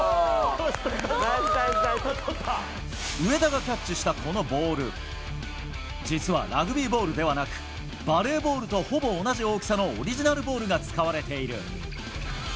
上田がキャッチしたこのボール実は、ラグビーボールではなくバレーボールとほぼ同じ大きさのオリジナルボールが使われている。